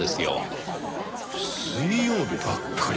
水曜日ばっかり。